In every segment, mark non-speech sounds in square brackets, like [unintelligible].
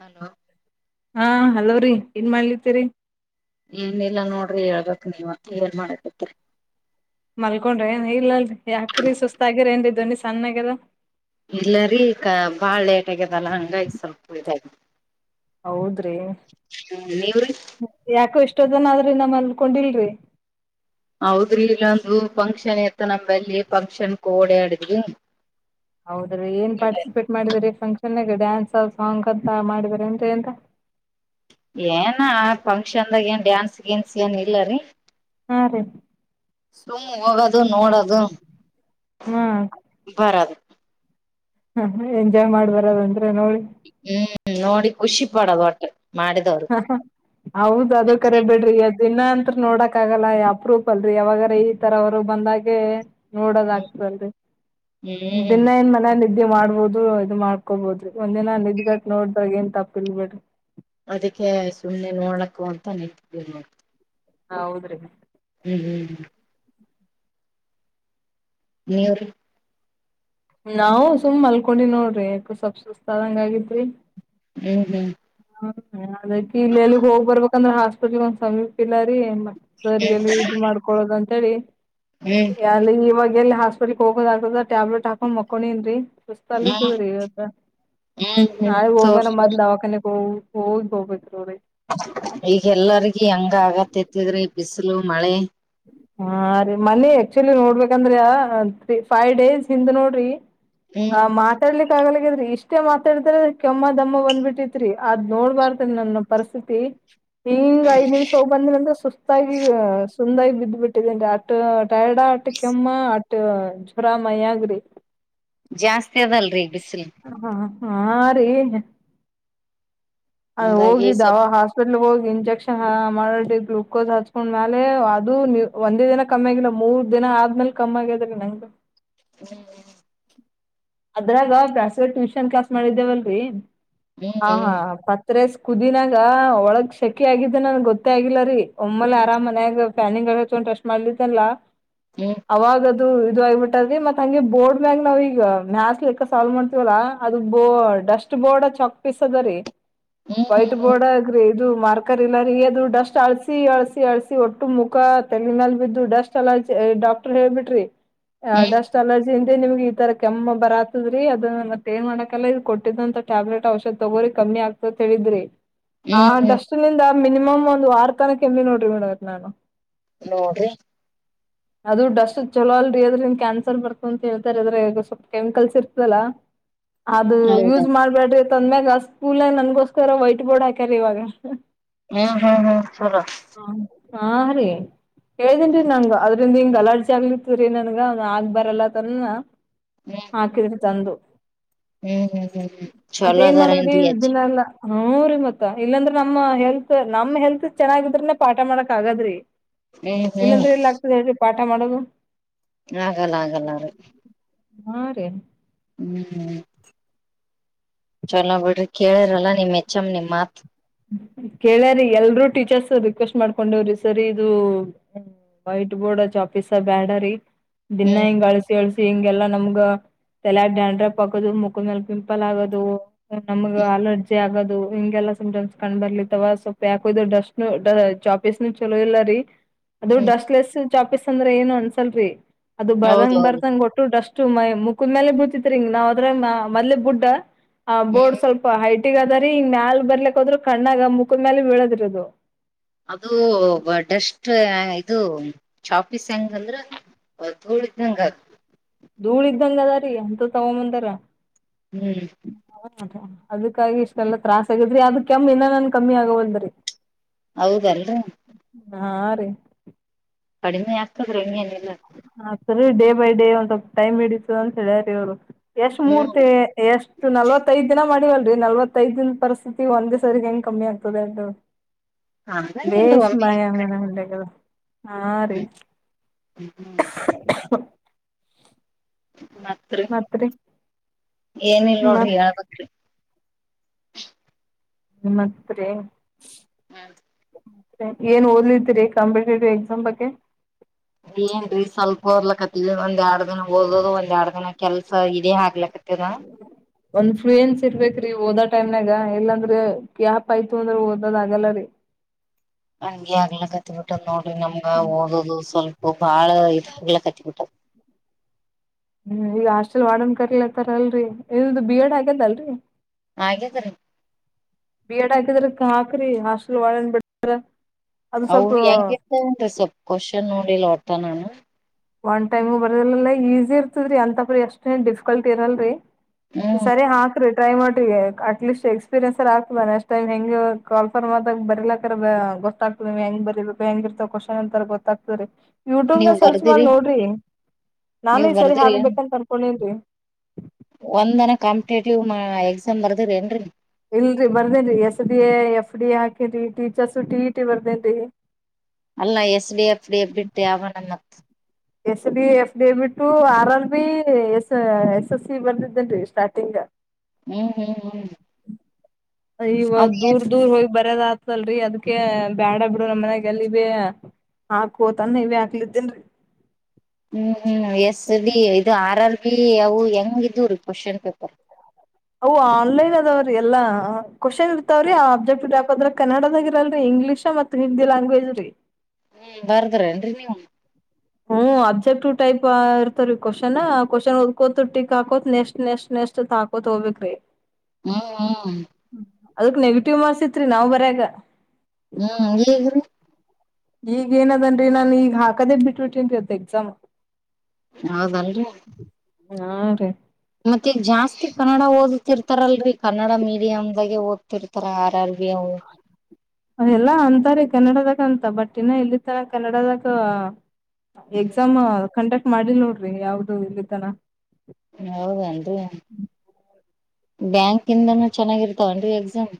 Hello. ಹಾ ಹಲವ್ರೀ ಏನ್ ಮಾಡ್ಲತಿೇರಿ. ಏನಿಲ್ಲಾ ನೋಡ್ರಿ ಹೇಳ್ಬಕ್ ನೀವ ಏನ್ ಮಾಡಕತಿ. ಮಲ್ಕೊಂಡ್ರೆ ಏನ್ ಇಲ್ಲಲ್ರಿ. ಯಾಕ್ರೀ ಸುತಾಗಿಿರೇಂಡ ಚಣ್ಣಾಗದ ಇಲ್ಲರಿೀ ಕ ಬಾಳ ಲೇಟ್ ಆಗ್ಯದಲ್ಲ ಹಂಗಾಗಿ ಸ್ವಲ್ಪ ಇದ. ಹೌದ್ರಿ ನೀವ್ರಿ ಯಾಕೋ ಎಷ್ಟ. ಇಷ್ಟ ಜನ ಆದ್ರೆ ನಮ್ಮ್ ಅಲ್ಕೊಂಡಿಲ್ರಿ. ಹೌದ್ರಿ ಇಲ್ಲಾ ಅದು. ಫಂಕ್ಷನ್ ಇತ್ತ ನಮ್ಮಲ್ಲಿ ಫಂಕ್ಷನ್ ಓಡಾಡಿದ್ವಿ. ಹೌದ್ರೀ ಏನ್ ಪಾರ್ಟಿಸಿಪೇಟ್ ಮಾಡಿದ್ರೀ ಫಂಕ್ಷನ್. ಚೆನ್ನಾಗ ಡ್ಯಾನ್ಸ್ ಸಾಂಗ್ ಅಂತ ಮಾಡಿದಾರ ಟ ಎಂತ. ಏನ ಫಂಕ್ಷನ್ದಾಗ ಏನ್ ಡ್ಯಾನ್ಸ್ ಗನ್ಸ್ ಏನ್ ಇಲ್ಲರಿ. [unintelligible] ಸುಮ್ಮ್ ಹೋಗದು ನೋಡದು. ಹ್ಮ್. ಹ ಎಂಜಾಯ್ ಮಾಡ್ಬರದ್ರ. ಬೆನೋಳಿ. ಹ್ಮ್ ನೋಡಿ ಖುಷಿ ಪಡದು ಹೊಟ್ಟೆ. ಹ ಹೌದ ಅದ ಕರೆ ಬಿಡ್ರಿ. ದಿನಾ ಅಂತ್ ನೋಡಕ್ ಆಗಲ್ಲ ಅಪ್ರೂಫ ಅಲ್ರರಿ ಯಾವಾಗಾರ ಈ ತರವರು ಬಂದಾಗೆ. ನೋಡೋದ್ ಆಗ್ತದಲ್ರಿ ಹ್ಮ್ ದಿನ ಏನ್ ಮನೆಯಲ್ಲಿ. ನಿದ್ದೆ ಮಾಡ್ಬೋದು ಇ್ ಮಾಡ್ಕೋಬೋದ್ರಿ ಒಂದಿನ ನಿದ್ಗಟ್ ನೋಡ್ದ್ರಾಗ ಏನ್ ತಪ್ಪಿಲ್ ಬಿೇಡ್ರಿ ಅದಕ್ಕೆ ಸುಮಮ್ಮನೆ ನೋಡಕ್ಕು ಅಂತ ನಿಂತ ಹ ಹೌದ್ರಿ ಹ್ಮ್ ಹ್ಮ್ ಹ್ಮ್ ನೀವ್ರೀ ನಾವು ಸುಮ್ ಮಲ್ಕೊಂಡಿ ನೋಡ್ರಿಕ ಸ್ವಪ್ ಸುಸ್ತಾದಂಗ ಆಗಿದ್ರಿ ಹ್ಮ್ ಹ್ಮ್ ಹ್ಮ ಅದಕ ಇಲ್ಲೆಲ್ಲಿ ಹೋಗ್ ಬರ್ಬೇಕಂದ್ರೆ ಹಾಸ್ಪೆಟ್ಲ್ಗೆ ಒಂದ್ ಸಮೀಪ ಇಿಲ್ಲ ರೀ [unintelligible] ಹ್ಮ್ ಸರಿಯಲ್ಲಿ ಇದು ಮಾಡ್ಕೊೊಳ್ಳೋದ [unintelligible] ಸರಿ ಹ್ಮ್ ಲ್ಲಿ ಇವಾಗ ಎಲ್ಲಿ ಹಾಕ್ ಬರಿ ಹೋಗೋದ ಹಕದ ಟ್ಯಾಬ್ಲೆಟ್ ಹಾಕೊಂಡ್ ಮಕ್ಕೊಂಡನ್ೀ ಹ್ಮ್ ಸುಸ್ತಲ್ಲವ ರೀ ಹ್ಮ್ ಹ್ಮ್ ನಾಳೆ ಹೋಗಣ ತೋರ್ಸ ಮೊದ್ಲು ದವಾಕಣೆ ಹ ಹೋಗ್ ಹೋಗಬೇಕೋಿ ಈಗ ಎಲ್ಲರಿಗ ಹೆಂಗ ಆಗತ್ತತಿದ್ರೆ ಬಿಸಿ್ ಲ ಮಳೆ ಹಾ ರೀ ಮನೆಿ ಆಕ್ಚುಲಿ ನೋಡ್ಬೇಕಂದ್ರೆ ಫೈವ್ ಡೇಸ್ ಹಿಂದ್ ನೋಡ್ರಿ ಹ್ಮ್ ಆ ಮಾತಾಡ್ಲಿಕ್ಕ ಆಗಲ ಇಷ್ಟೇ ಮಾತಾಡ್ತಾರೆ ಕೆಮ್ಮ ದಮ್ಮ ಬಂದ್ಬಿಟ್ಟಿತ್ರಿ ಅದ್ ನೋಡ್ಬಾರತನ ನನ್ನ ಪರಿಸ್ಥಿತಿ ಹಂಗ ಐದ್ ನಿಮಿಷ ಹೋಗ್ ಬಂದ ನಂತ್ರ ಸುಸ್ತಾಗಿ ತಂದಾಗಿ ಬ್ಬಟ್ಟು ಅಟ್ಟು ಟೈರ್ಡ್ ಅಟ್ಟ ಕೆಮ್ಮ ಅಟ್ಟ ಜರ ಮಯಗ್ರಿ ಜಾಸ್ತಿ ಅದಲ್ರರಿ ಹ ಹಾ ಹಾ ರಿ ಅ ಹಂಗಾಗಿ ಹೋಗಿದ್ದ ಅವ ಸ್ವಲ್ ಹಾಸ್ಪಿಟ್ಲ್ ಹೋಗ ಇಂಜೆಕ್ಷನ್ ಮಾಡಿ ಗ್ಲುೂಕೋಸ್ ಹಚ್ಕೊಂಡ್ಮ್ಯಾಲೆ ಅದು ಒಂದೇ ದಿನ ಕಮ್ಮಿ ಆಗಿಲ್ಲ ಮೂರ್ ದಿನ ಆದ್ಮೇಲೆ ಕಮ್ಮಿ ಆಗ್ಯದ ರಿ ನಂಗ. ಹ್ಮ್ ಅದ್ರಾಗ ಪ್ರ್ಯಾಸ್ ಟ್ಯೂಷನ್ ಕ್ಲಾಸ್ ಮಾಡಿದ್ದೇವಲ್ರರಿ ಹ್ಮ್ ಹಾ ಹಾ ಪತ್ರಸ್ ಕುದಿನಾಗ ಒಳಗ್ ಸಕಿ ಆಗಿದ್ದ ನನ್ ಗೊತ್ತೇ ಆಗಿಲ್ಲ ರೀ ಒಮ್ಮಲೆ ಆರಾಮನ್ಯಾಗ ಫ್ಯಾನಿಂಗ್ ಹಕೊಂಡುಷ್ಟಟ್ ಮಾಡ್ಲಿದಲ್ಲ ಹ್ಮ್ ಹ್ಮ್ ಅವಾಗದು ಇದು ಇದು ಆಗಿಬಿಟ್ಟದರಿ ಮತ್ತತ್ ಹಂಗೆ ಬೋರ್ಡ್ ಮ್ಯಾಗ ನಾವ ಈಗ ನಸ್ಲಿಕ್ಕ ಸಾಲ್ವ್ ಮಾಡ್ತೀವಲ್ಲಾ ಅದು ಬೋ ಡಸ್ಟ್ ಬೋರ್ಡ್ ಚಕ್ ಪಿಸ ಅದರಿೀ ಹ್ಮ್ ವೈಟ್ ಹ್ಮ್ ಬೋರ್ಡ ಗ್ರೇ ಇದು ಮಾರ್ಕರ್ ಇಲ್ಲ ರೀ ಅದು್ರು ಡಸ್ಟ್ ಅಳ್ಸಿ ಅಳ್ಸಿ ಅಳ್ಸಿ ಒಟ್ಟು ಮುಖ ತೆಲಿನಲ್ ಬಿದು ಡಸ್ಟ್ ಅಲ ಡಾಕ್ಟರ್ ಹೇಳ್ಬಿಟ್ರಿ ಹ್ಮ್ ಡೆಸ್ಟ್ ಅಲರ್ಜಿ ಜಿಂದ ನಿಗೆೀತ ಕೆಮ್ಮ ಬರಾತದ್ರಿ ಅದನ ಮತ್ತ ಏನ್ ಮಾಡಾಕಲ್ಲ ಇದ್ ಕೊಟ್ಟಿದಂತ ಟ್ಯಾಬ್ಲೆಟ್ ಔಷಧ ತಗೋರಿ ಕಮ್ಮಿ ಆಗ್ತತ್ ಹೇಳಿದ್ರಿ ಹ್ಮ್ ಆ ಹ್ಮ್ ಹ್ಮ್ ಡಸ್ಟ್ನಿಂದ ಮಿನಿಮಮ್ ಒಂದು ವಾರ್ ಇಟತನ ಕೆಮ್ಮಿನ ನೋಡ್ರಿ ಮಾಡಮ್ಮರೆ ನಾನು. ನೋಡ್ರಿ. ಅದು ಡಷ್ಟದ ಚಲೋ ಅಲ್ರಿ ಅದ್ರಿಂದ ಕ್ಯಾನ್ಸರ್ ಬರ್ತು ಅಂತ ಹೇಳ್ತಾರೆ ಅದ್ರಾಗ್ ಸ್ವಲ್ಪ ಕೆಮಿಕಲ್ಸ್ ಇರ್ತದಲ್ಲ. ಅದು ಹೌದ ಯೂಸ್ ಮಾಡ್ಬೇಡ್ರಿ ತಂದ್ಮ್ಯಾಗ ಅಸ್ ಸ್ಕೂಲ್ನ್ಯಾಗ ನನ್ಗೋಸ್ಕರ ವೈಟ್ ಬೋರ್ಡ್ ಹಾಕ್ಯಾರಿ ಇವಾಗ. ಹ್ಮ್ ಹ್ಮ್ ಹ್ಮ್ ಸರ. ಹ ಹಾ ರೀ ಕೇಳದೇನ್ರಿ ನಂಗ ಅದ್ರಿಂದಿಂಗ್ ಅಲರ್ಜೆ ಆಗ್ಲಿಕತದ್ರಿ ನನ್ಗ ಅದ ಆಗ್ ಬರಲ್ಲ ಅತನನ ಹಾಕಿದ್ರಿ ತಂದು. ಹ್ಮ್ ಹ್ಮ್ ಹ್ಮ್ ಹ್ಮ್ ಹ್ಮ್ ಮತ್ತ ಚಲೋ ಏನ್ ಮಾಡದ್ರಿ ಅದಾರೇನ್ರಿ ಅಜ್ಜ ದಿನ ಎಲ್ಲಾ ಹ್ಮು ರೀ ಮತ್ತ ಇಲ್ಲಾಂದ್ರೆ ನ ನಮ್ಮ ಹೆಲ್ತ್ ನಮ್ ಹೆಲ್ತ್ ಚೆನ್ನಾಗಿದ್ರನೆ ಪಾಠ ಮಾಡಕ್ ಆಗಾದ್ರಿ. ಹ್ಮ್ ಹ್ಮ್ ಇಲ್ಲಾಂದ್ರೆ ಎಲ್ಲ ಆಗ್ತದೆ ಹೇಳ್ರಿ ಪಾಠ ಪಾಠ ಮಾಡೋದು. ಆಗಲ್ಲ ಆಗಲ್ಲ ಆಗಲ್ ಹಾ ರೀ ಹ್ಮ್ ಚಲೋ ಬಿಡ್ರಿ ಕೇಳಿರಲ್ಲ ನಿಮ್ ಹೆಚ್ಚಮ್ಮ ನಿಮ್ ಮಾತ್ ಕೇಳ್ಯಾರೀ ಎಲ್ರೂ ಟೀಚರ್ಸ್ ರಿಕ್ವೆಸ್ಟ್ ಮಾಡ್ಕೊಂಡೇವ್ರಿ ಸರ್ ಇದು ವೈಟ್ ಬೋರ್ಡ್ ಚಾಕ್ಫೀಸ್ ಬ್ಯಾಡರಿ. ದಿನಾ ಹ್ಮ್ ಹಿಂಗ್ ಅಳಸಿ ಅಳ್ಸಿ ಹಿಂಗೆಲ್ಲಾ ನಮ್ಗ ತಲೆ ಡ್ಯಾನ್ಡ್ರಪ್ ಆಗದು ಮುಖ ಮೇಲ್ ಪಿಂಪಲ್ ಆಗೋದು ನಮಗ ಹ್ಮ್ ಅಲರ್ಜಿ ಆಗದ್ ಹಿಂಗೆಲ್ಲ ಸಿಮ್ಟಮ್ಸ್ ಕಂಡ್ ಬರ್ಲತ್ತವ ಸ್ವಲ್ಪ ಯಾಕೊ ಇದು ಡಸ್ಟ ಚಾಪೀಸ್ನು ಚಲೋ ಇಲ್ಲ ರೀ. ಅದು ಹ್ಮ್ ಡಸ್ಟ್ಲೆಸ್ ಚಾಪೀಸ್ ಅಂದ್ರೆ ಏನು ಅನ್ಸಲ್ರಿ. ಅದು ಬರಂಗ್ ಹೌದೌದು ಬರ್ದಂಗ್ ಓಟು ಡಷ್ ಅಷ್ಟ ಮ ಮುಖದ ಮೇಲೆ ಬೀಳ್ತಿತ್ರಿ ನಾವ್ ಅದ್ರ ಮೋದಲ ಬುಡ್ಡ. ಹ ಹ್ಮ್ ಬೋರ್ಡ್ ಸ್ವಲ್ಪ ಹೈಟ್ ಗ ಅದರ ಈ ಮ್ಯಾಲ್ ಬರ್ಲಿಕ್ ಹೋದ್ರು ಕಣ್ಣಾಗ ಮುಖದ ಮೇಲೆ ಬೀಳದ ರಿ ಅದು. ಅದು ಬ ಡಷ್ ಷ್ಟ ಇದು ಚಾಪೀಸ್ ಹೆಂಗ ಅಂದ್ರ ಧೂಳಿದಂಗ ಅದ್ ಧೂಳ ಇದ್ದಂಗ ಅದ ರಿ ಅಂತದ್ ತಗೋ ಬಂದಾರ. ಹ್ಮ್ ಅದಾ ಅದಕ್ಕಾಗಿ ಇಷ್ಟೆಲ್ಲಾ ತ್ರಾಸ್ ಆಗಿದ್ರಿ ಅದ ಕೆಮ್ಮ ಇನ್ನನ್ ಕಮ್ಮಿ ಆಗಂದ್ರರಿ ಹೌದಲ್ರಿ ಹಾ ರೀ ಕಡಿಮೆ ಆಗ್ತದ್ರೆ ಇ ಹ ಸರಿ ಡೇ ಬೈ ಡೇ ಒಂದ ಟೈಮ್ ಇಡೀತದಅಂತ ಹೇಳ್ಯಾರೀ ಅವ್ರು ಎಷ್ಟ್ ಹ್ಮ್ ಮೂರ್ತಿ ಎಷ್ಟು ನಲ್ವತ್ಐದ್ ದಿನ ಮಾಡಲ್ ನಲವತ್ತೈದಿನ ಪರಿಸ್ಥಿತಿ ಒಂದೇ ಸರಿ ಹೆಂಗ್ ಕಮ್ಮಿ ಆಗ್ತದೆ ಅದು ಹಂಗಂಗಿಲ್ರಿ ಬೇಶ್ ಒಮ್ಮೆ ಮಾಯ ಮನೆ ಹಾಗಲ್ಲ ಹಾ ರೀ [inaudible] ಹ್ಮ್ ಹ ಮಾತ್ರ ಏನಲ್ ನೋಡ್ರಿ ಮತ್ ಹಳ್ಬೇಕ ರಿ ಮತ್ತೆ ಮೆ ಏನ್ ಓದಲಿದ್ದೀರಿ ಕಾಂಪಿಟೇಟಿವ್ ಎಕ್ಸಾಮ್ ಬಗ್ಗೆ ಇ ಬಂದ ಹೂದದು ಆಡ್ದನ ಕೆಲ್ಸ ಇದೇ ಆಗ್ಲಕ್ಕ ಒಂದ್ ಫ್ಲೂಯೆನ್ಸ್ ಇರ್ಬೇಕ್ರಿ ಓದಾ ಟೈಮ್ನಾಗ ಎಲ್ಲಾಂದ್ರೆ ಯಪ್ ಆಯ್ತು ಅಂದ್ರೆ ಓದೋದ ಆಗಲ್ಲ ರೀ ಹಂಗಗೆ ಆಗ್ಲ ಕತ್ ಬಿಟ್ಟದ್ ನೋಡ್ರಿ ನಮ್ಗ ಓದದು ಸ್ವಲ್ಪ ಇ ಬಾಳೆ ಇದಾಗಲ್ಲ ಕಟ್ಟಿಕಟ್ಟ ಹ್ಮ್ ಈಗ ಹಾಸ್ಟೆಲ್ ವಾಡನ್ ಕರಿಲತಾರಲ್ರರಿ ಇ ಬಿ ಎಡ್ ಆಗ್ಯದಲ್ರರಿ ಹಾಗೇದರಿ ಬಿ ಎಡ್ ಹಾಕಿದ್ರ ಹಾಕ್ರಿ ಹಾಸ್ಟೆಲ್ ಒಳನ್ ಬಿಡ್ತಾರ ಅವು ಹೆಂಗ ಇರ್ತನ್ರಿ ಸ್ವಲ್ಪ್ ಕ್ವಷನ ಅಡಿ ಲೋತನಣ ಒನ್ ಟೈಮ್ ಬರದಲ್ಲ ಈಸಿ ಇರ್ತದ್ರರಿ ಅಂತಪ್ರಿ ಎಷ್ಟೇನ್ ಡಿಫಿಕಲ್ಟ್ ಇರಲ್ರರಿ ಹ್ಮ್ ಸರಿ ಹಾಕ್ರ ಟ್ರೈ ಮಾಡಿ ಅಟ್ಲೀಸ್ಟ್ ಎಕ್ಸ್ಪೀರಿಯನ್ಸ್ರ್ ಆಗ್ತದ ನೆಕ್ಸ್ ಟೈಮ್ ಹೆಂಗ ಕಾ ಫರ್ತ ಬರ್ಲಕರ್ ಗೊತ್ತಾಗ್ತದೆ ನೀವ ಹೆಂಗ ಬೀಬೇಕು ಹೆಂಗ ಇರ್ತ ಕ್ವಶನ್ ಇತಾರ ಗೊತ್ತ ಆತರಿ ಯುಟ್ಯೂಬ್ ನ ನೀವ್ ಸರ್ಚ್ ಸುಮಾರ ಬರ್ದಿರಿ ನೋಡ್ರಿ ನಾನು ನೀವ್ ಈ ಸರಿ ಹಗ್ಬೇಕಂತ ಅನ್ಕೊಂಡೇನ್ ರೀ ಒಂದ್ನ ಕಾಂಪಿಟೇಟಿವ್ ಮಾ ಎಕ್ಸಾಮ್ ಬರ್ದಿರ ಏನ್ರರಿ. ಇಲ್ರಿ ಬರ್ದೇನ್ರಿ S D A F D A ಹಾಕೇನ್ರಿ ಟೀಚರ್ಸ ಟಿ ಇ ಟಿ ಬರ್ದೇನ್ರಿ. ಅಲ್ಲಾ ಎಸಡಿ ಎಫಡಿ ಎ ಬಿಟ್ಟ ಯನನ್ನ. S B F V to R R B S S S C ಬಂದಿದ್ದೇನ್ರಿ ಸ್ಟಾರ್ಟಿಂಗ್. ಹ್ಮ್ ಹ್ಮ್ ಹ್ಮ್ ಇವಾಗ ಅ ದೂರ್ ದೂರ್ ಹೋಗ್. ಬರದ ಆತಲ್ರರಿ ಅದ್ಕ ಬ್ಯಾಡ ಬಿಡು ನಮ್ ಮನ್--ಗ ಅಲ್ಲಿ ಹಾಕತಾನ ಇ ಹಾಕ್ಲತ್ತೇನ್ರಿ. ಹ್ಮ್ ಹ್ಮ್ ಎಷ್ಟ. ಸರಿ ಇದು ಆರ ಅವು ಹೆಂಗ ಇದ್ ಕ್ವಶನ್ ಪೇಪರ್. ಅವು ಆನ್ಲೈನ್ ಅದಾವ್ರೀ ಎಲ್ಲಾ ಕ್ವಶನ್ ಇರ್ತಾವ್ರೀ ಆ ಅಬ್ಜೆಕ್ಟ್ ದ್ರೆ ಕನ್ನಡದಾಗಿ ಇರಲ್ರರಿ ಇಂಗ್ಲೀಷ ಮತ್ತು ಹಿಂದಿ ಗ್ವೇಜ್ ರೀ. ಹ್ಮ್ ಬರ್ದ್ರೇ ನೀವು. ಹ್ಮ್ ಅಬ್ಜೆಕ್ಟ್ ಟೈಪ್ ಇರ್ತವ್ರೀ ಕ್ವಶ್ನ್ ಕ್ವಶನ್ ಒದ್ಕೋ ಟಕ್ ಹಾಕೋತ್ ನೆಸ್ಟ್ ನೆಸ್ಟ್ ನೆಕ್ಸ್ಟ್ತ್ ಹಾಕೋತ್ ಹೋಗ್ಬೇಕಕ ಹಾ ಹಾ. ಅದಕ್ ನೆಗೆಟಿವ್ ಮಾರ್ಸ್ ಇತ್ರಿ ನಾವ್ ಬರ್ಯಾಗ. ಹ್ಮ್ ಹೇಗ್ರೀ. ಈಗ ಏನದನ್ರಿ ನಾನನ್ ಈಗ ಹಾಕದೇ ಬಿಟ್ಬ ಬಿಟೇನ್ ಇತ್ತ ಎಕ್ಸಾಮ್. ಹೌದಲ್ರಿ. ಹಾ ರೀ. ಮತ್ತ ಈಗ ಜಾಸ್ತಿ ಕನ್ನಡ ಹೋದ್ ಓದತಿರ್ತಾರಲ್ರರಿ ಕನ್ನಡ ಮೀಡಿಯಮ ದಾಗೆ ಓದ್ತಿರ್ತಾರ ಆರ್ ಆರ್ ಬಿ ಅವ್. ಎಲ್ಲಾ ಅಂತಾರೀ ಕನ್ನಡದಾಗ ಅಂತ ಬಟ್ ಇನ್ನ ಇಲ್ಲಿ ತರ ಕನ್ನಡದಾಗ. ಎಕ್ಸಾಮ್ ಕಂಟ್ಯಾಕ್ಟ್ ಮಾಡಿಲ್ ನೋಡ್ರಿ ಯಾವ್ದು ಇಲ್ಲಿ ತನ ಹೌದ್ರ. ಬ್ಯಾಂಕ್ ಇಂದನೂ ಚೆನ್ನಾಗಿರ್ತ್ತ. ತೊಂಡರಿ ಎಕ್ಸಾಮ್.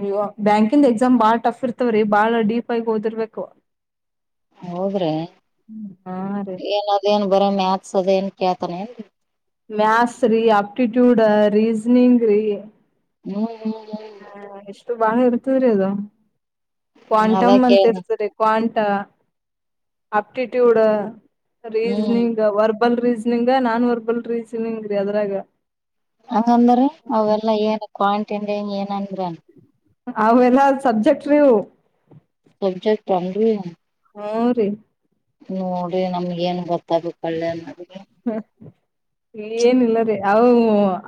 ನೀ ಬ್ಯಾಂಕಿಂದ ಎಕ್ಸಾಮ್ ಬಾಳ್ ಟಫ್ ಇರ್ತವ್ರಿ ಬಾಳ ಡಿಪ್ ಆಗಿ ಓದಿರ್ಬೇಕು. ದ್ರೆ ಹಾ ರೀ ಏನ ಅದೇನ್ ಬರ ಮ್ಯಾತ್ ಸದೇನ್ ಖ್ಯಾತನೇ. ಮತ್ಸ್ ರೀ ಆಪ್ಟಿಟ್ಯೂಡ್ ರೀಸನಿಂಗ್ ರೀ. ಹ್ಮ ಹ. ಹಾ. ಬ--ಳ ಎರ್ತವರ ಅದೋ. ಹ್ಮ್ ಅದ ಕ್ವಾಂಟಮ್ ಅಂತಿ ಕೇಳ ಇರ್ತರಿ ಕ್ವಾಂಟ್. ತ್ತ. ಆಪ್ಟಿಟ್ಯೂಡ್ ಹ್ಮ್ ರೀಸನಿಂಗ್ ವರ್ಬ. ಬಲ್ ರೀಸನಿಂಗ ನಾನ್ ಹೊರ್ಬಲ್ ರೀಸನಿಂಗ್ ರೀ ಅದ್ರಾಗ. ಹಂಗಂದ್ರ ಅವೆಲ್ಲಾ ಏನ್ ಕ್ವಾಂ ಇಟ್ಟ ಏನನ್ ಅವ ಎಲ್ಲ ಸಬ್ಜೆಕ್ಟ್ ರೀ ಅವು ಸಬ್ಜೆಕ್ಟ್ ಏನ್ರೀ ಹಾ ರೀ ನೋಡ್ರಿ ನಮ್ಗ ಏನ್ ಗೊತ್ತ. ಗೊತ್ತಾಗಬೇಕಲ್ಲ ನಮಗೆ ಏನಿಲ್ಲ ರೀ ಅ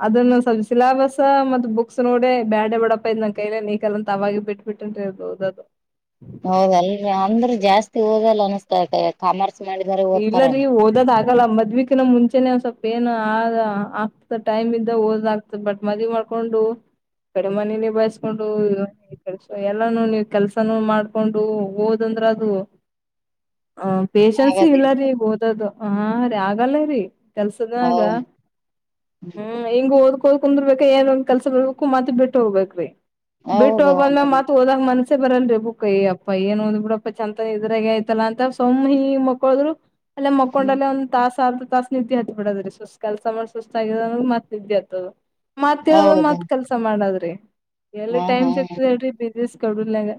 ಅದನ್ನ ಸ್ವಲ್ಪ ಸಿಲಾಬಸ್ ಮತ್ತ ಬುಕ್ಸ್ ನೋಡ ಬ್ಯಾಡ ಬಡಪ್ಪ ಇದ್ ನನ್ ಕೈಲನ್ ನಿಗಲ್ಲ ಅಂತ ಅವಾಗ ಬಿಟ್ಬಿಟ್ಟನ್ರಿ ಓದದೆ ಹೌದಲ್ ಅಂದ್ರರು ಜಾಸ್ತಿ ಓದಲ್ಲ ಅನಿಸತತಿ ಕಾಮರ್ಸ್ ಮಾಡಿದಾರ ಇಲ್ಲ ಓದ್ತಾರ ರೀ ಓದಲ್ಲ ಆಗಲ್ಲ ಆಗಲ್ಲ ಮದ್ವಿ ಕಿನ ಮುಂಚೇನೆ ಸ್ವಲ್ಪ ಏನು ಆಗ್ತ ಟೈಮ್ ಇದ ಓದ್ ಆಗ್ತದ ಬಟ್ ಮದ್ವಿ ಮಾಡ್ಕೊಂಡು ಕಡೆಮನೆ ನಿಭಾಯಿಸಕೊಂಡು ಎಲ್ಲಾನ ನೀವು ಕೆಲ್ಸಾನ ಮಾಡ್ಕೊಂಡು ಓದ್ಂದ್ರ ಅದು ಆಗದೇನ್ ಇಲ್ಲರಿ ಓದದು ಹಾರಿ ಆಗಲ್ಲ ರೀ ಕೆಲ್ಸದನಾಗ ಹೌದು ಹ್ಮ ಹಿಂಗ ಓದ ಹೋಗಿ ಕುಂದರ್ಭಕ್ಕ ಏನ್ ಒಂದ್ ಕೆಲ್ಸ ಬರ್ಬೇಕು ಮತ್ತ ಬಿಟ್ಟ ಹೋಗ್ಬೇಕೇರೀ ಬಿಟ್ಟು ಹೋಗಬಂದ ಹೌದೌದು ಮತ್ ಹೋದಾಗ ಮನ್ಸ ಬರಲ್ರಿ ಬುಕ್ಯ್ಯಯಪ್ಪ ಏನು ಓದ್ ಬಿಡಪ್ಪ ಚಂದಿತನ ಇದ್ರಾಗೆ ಆಯ್ತಲ್ಲ ಅಂತ ಸುಮ್ನೆ ಮಕ್ಕೊಣೋದು ಹೋದರು ಅಲ್ಲ ಹ್ಮ್ ಮಕ್ಕೊಂಡಲ್ಲೇ ಒಂದ್ ತಾಸ ಆದ ಒಂದು ತಾಸ್ ನಿದ್ದೆ ಹತ್ತಿ ಬಿಡದ್ರೀ ಸುಸ್ತ ಕೆಲಸ ಮಾಡ ಸುಸ್ತ ಆಗ್ರ ಮತ್ ನಿದ್ದೆ ಹತ್ತದು ಮತ್ ಯಳದ ಹೌದು ಮತ್ ಕೆಲ್ಸ ಮಾಡದ್ ಎಲ್ಲಿ ಹಾ ಟೈಮ್ ಹಾ ಸಿಗ್ತದೆ ಹೇಳ್ರಿ ಬೇಗ ಪ್ಲೀಸ್ ಕಡೂರ್ನಾಗ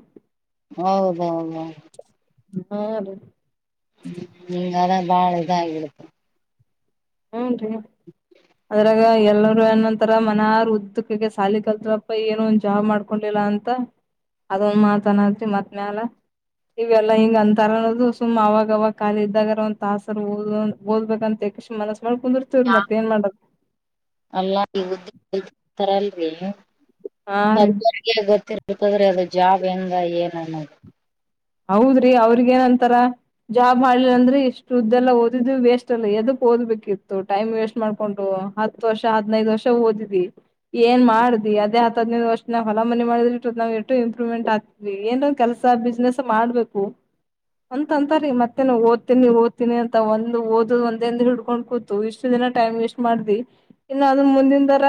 ಹೌದೌಹೌದ ಹಾ ರೀ ಹಂಗ ಅ ಬಾಳ ಇದಾಗಿರುತ್ತ ಹ್ಮರೀ ಅದರ ಎಲ್ಲರೂ ಏನೊಂತರ ಮನಾರ ಉದ್ದಕಗೆ ಸಾಲಿ ಕಲ್ತ್ರುಪ್ಪ ಏನ ಒಂದ ಜಾಬ್ ಮಾಡ್ಕೊಂಡಿಲ್ಲ ಅಂತ ಅದೊಂದ ಮಾತನಾಲ್ತಿ ಮತ್ ಮ್ಯಾಲ ಇವೆಲ್ಲಾ ಹಿಂಗ ಅಂತಾರ ಅನ್ನದು ಸುಮ್ ಅವಾಗ ಅವವಾಗ ಕಾಲಿ ಇದ್ದಾಗಾರ ಒಂದು ತಾಸರು ಓದ ಓದಬೇಕಂತ ನಳ ಕುಂತರ್ತ ವರು ಮತ್ತೇ ಏನ್ ಮಾಡದ ತರಲರಿ ಅಂಥವರಿಗೆ ಗೊತ್ತಿರ ಇರ್ತಾದ್ರಿ ಅದ ಜಾಬ್ ಹೆಂಗ ಏನ ಅನ್ನೋದು ಹೌದ್ರಿ ಅವ್ರಿಗ ಏನಂತಾರ ಜಾಬ್ ಮಾಡ್ಲಿಲ್ಲ ಅಂದ್ರೆ ಇಷ್ಟ. ದ್ದ ಎಲ್ಲ ಓದಿದ್ವೇಸ್ಟ್ ಅಲ್ಲ ಎದಕ್ ಓದ್ಬೇಕಿತ್ತು ಟೈಮ್ ವೇಸ್ಟ್ ಮಾಡ್ಕೊಂಡು ಹತ್ ವರ್ಷ ಹದ್ಿನೈದು ವರ್ಷ ಓದಿದಿ ಏನ್ ಮಾಡಿದಿ ಅದೇ ಹತ್ ಹದ್ಿನೈದು ವರ್ಷ ನಾವವು ಹೊಲ ಮನೆ ಮಾಡಿದ್ರ ನಾವ ಎಷ್ಟು ಇಂಪ್ರೂವ್ಮೆಂಟ್ ಆಗ್ತವಿ ಏನ ಕೆಲಸ ಬಿಸ್ನೆಸ್ ಮಾಡ್ಬೇಕು ಅಂತಂತರಿೀ ಮತ್ತನ ಓದ್ತೀನಿ ಓದ್ತೀನಿ ಅಂತ ಒಂದು ಓದ್ ಒಂದಂದ ಹಿಡ್ಕೊಂಡ್ ಕೂತು ಇಷ್ಟು ದಿನ ಟೈಮ್ ವೇಸ್ಟ್ ಮಾಡ್ದಿ ಇನ್ನು ಅದನ್ ಮುಂದಿನ ದರ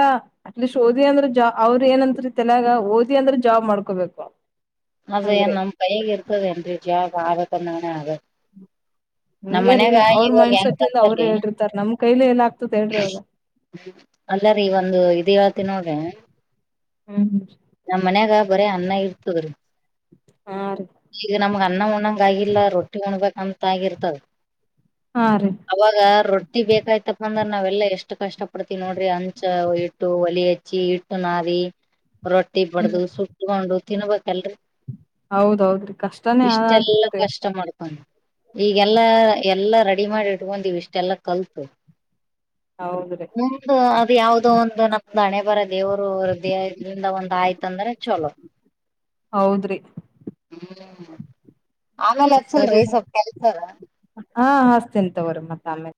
ಅಟ್ಲೀಸ್ಟ್ ಓದಿ ಅಂದ್ರ ಜ ಅವ್ರ ಏನತ್ರಿ ತಲ್ಯಾಗ ಓದಿ ಅಂದ್ರ ಜಾಬ್ ಮಾಡ್ಕೋಬೇಕು ಅದ ಹಂಗ್ರಿ ಏನ್ ನಮ್ಮ್ ಕೈ ಹದೆ ಎಜಾ ಪಾವಕ್ಕೆ ನಾನ ಅ ನಮ್ ಹಂಗೆ ರೀ ಮನ್ಯಾಗ ಆ ಅವ್ರ ಇವಾಗ ಮೈಂಡ್ಸೆಟ್ ಇಂದ ಅವ್ರು ಹೆಂಗರ್ತರಿ ಹೇಳಿರ್ತಾರ ನಮ್ ಕೈಲಿ ಎಲ್ಲ ಆಗ್ತದ ಹೇಳ್ರಿ ಅವಾಗ ಅಲ್ಲರಿೀ ಒಂದು ಇದ ಹೇಳ್ತಿ ನೋಡ್ರಿ ಹ್ಮ್ ಹ್ಮ್ ನಮ್ ಮನ್ಯಾಗ ಬರ ಅನ್ನ ಇರ್ತವ್ರಿ ಹಾ ರೀ ಅಣನ್ನ ಉಣಂಗ ಆಗಿಲ್ಲ ರೊಟ್ಟಿ ಹೊಣ್ಬೇಕಕ್ ಅಂತ ಆಗಿರ್ತದ ಹಾ ರೀ ಅವಾಗ ರೊಟ್ಟಿ ಬೇಕಾಯ್ತಪ್ಪಂದ್ರ ನಾವೆಲ್ಲಾ ಎಷ್ಟು ಕಷ್ಟ ಪಡ್ತೀವಿ ನೋಡ್ರಿ ಅಂಚ ಇಟ್ಟು ಒಲಿ ಹಚ್ಚಿ ಇಟ್ಟು ನಾರಿ ರೊಟ್ಟಿ ಬಡ್ದು ಸುಟ್ಕೊಂಡು ತಿನ್ಬೇಕಲ್ರರಿ ಹೌದೌದ್ರಿ ಕಷ್ಟನೇ ಆ ಇಷ್ಟೆಲ್ಲಾ ಆಗ್ತ್ರರಿ ಕಷ್ಟ ಮಾಡ್ಕೊಂಡ್ ಈಗೆಲ್ಲಾ ಎಲ್ಲಾ ರೆಡಿ ಮಾಡಿ ಇಟ್ಕೊಂಡವವಿ ಇಷ್ಟೆಲ್ಲಾ ಕಲ್ತು ಹೌದ್ರಿ ನಮ್ದು ಅದು ಯಾವ್ದೋ ಒಂದು ನಮ್ದು ಹಣೆಬಹರ ದೇವರು ಇದ್ರಂದ ಒಂದ್ ಆಯ್ತ ಅಂದ್ರೆ ಚಲೋ ಹೌದ್ರಿ ಹ್ಮ ಹ್ಮ ಸರಿ ಹಾ ಹಸ್ತನ್ ತವ್ರ ಮತ್ತ ಆಮೇಲೆ